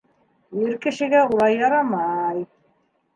Ир кешегә улай ярамай.